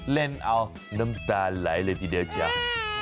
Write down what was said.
เล่นเอาน้ำตาไหลเลยทีเดียวเชียว